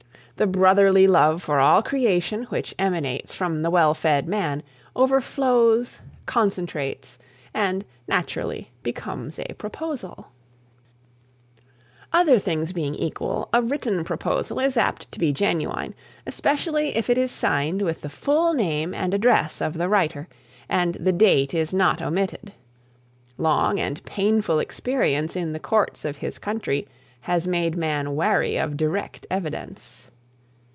The brotherly love for all creation, which emanates from the well fed man, overflows, concentrates, and naturally becomes a proposal. [Sidenote: Written Proposals] Other things being equal, a written proposal is apt to be genuine, especially if it is signed with the full name and address of the writer, and the date is not omitted. Long and painful experience in the courts of his country has made man wary of direct evidence.